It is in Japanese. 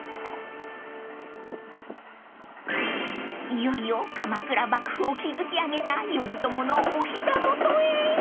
［いよいよ鎌倉幕府を築き上げた頼朝のお膝元へ］